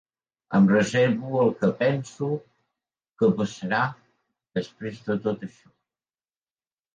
Em reservo el que penso que passarà després de tot això.